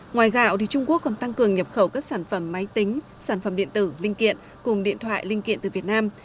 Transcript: ngoài gạo trung quốc còn tăng cường nhập khẩu các sản phẩm máy tính sản phẩm điện tử linh kiện cùng điện thoại linh kiện từ việt nam